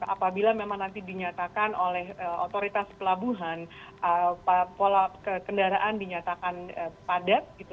apabila memang nanti dinyatakan oleh otoritas pelabuhan pola kendaraan dinyatakan padat gitu